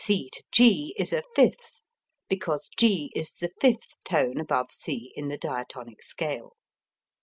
C G is a fifth because G is the fifth tone above C in the diatonic scale.